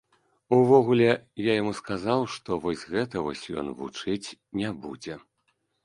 Увогуле, я яму сказаў, што вось гэта вось ён вучыць не будзе.